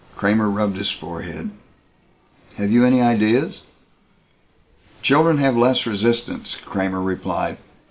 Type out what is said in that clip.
Kramer rubbed his forehead. "Have you any ideas?" "Children have less resistance," Kramer replied.